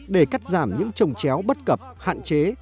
để cắt giảm những trồng chéo bất cập hạn chế